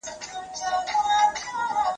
ده د شخصي ګټې لپاره اصول مات نه کړل.